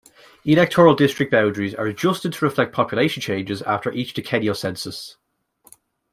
Electoral district boundaries are adjusted to reflect population changes after each decennial census.